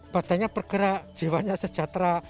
badannya bergerak jiwanya sejahtera